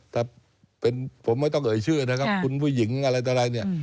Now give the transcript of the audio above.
แต่ผมไม่ต้องเอ่ยชื่อนะครับคุณผู้หญิงอะไรต่อไร